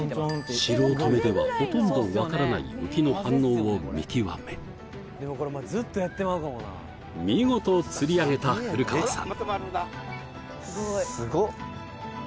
素人目ではほとんど分からないウキの反応を見極め見事釣り上げた古川さん